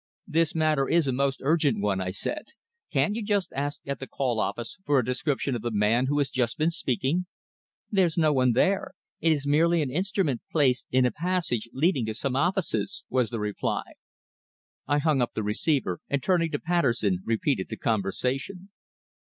"This matter is a most urgent one," I said. "Can't you ask at the call office for a description of the man who has just been speaking?" "There's no one there. It is merely an instrument placed in a passage leading to some offices," was the reply. I hung up the receiver, and turning to Patterson repeated the conversation.